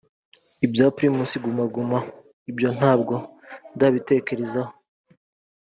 Ibya Primus Guma Guma ibyo ntabwo ndabitekerezaho